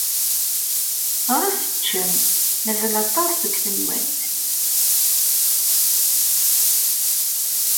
Ɣas ččem. Mazal aṭas deg tenwalt.